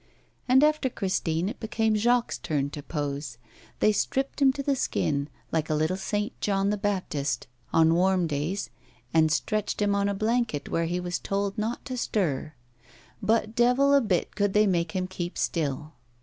And after Christine it became Jacques' turn to pose. They stripped him to the skin, like a little St. John the Baptist, on warm days, and stretched him on a blanket, where he was told not to stir. But devil a bit could they make him keep still.